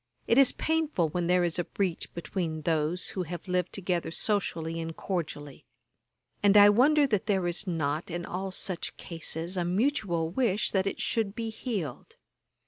It is painful when there is a breach between those who have lived together socially and cordially; and I wonder that there is not, in all such cases, a mutual wish that it should be healed.